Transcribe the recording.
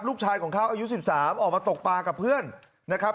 ลูกชายของเขาอายุ๑๓ออกมาตกปลากับเพื่อนนะครับ